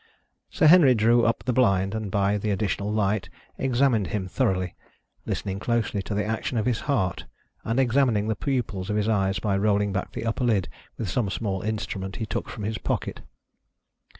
Sir Henry drew up the blind, and by the additional light examined him thoroughly, listening closely to the action of his heart, and examining the pupils of his eyes by rolling back the upper lid with some small instrument he took from his pocket.